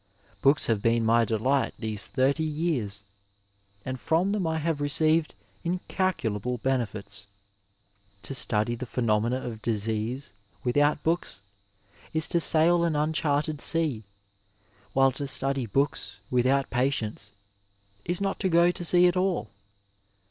Books have been my delight these thirty years, and from them I have received incalculable benefits. To study the phenomena of disease without books is to sail an uncharted sea, while to study books without patients is not to go to sea at all.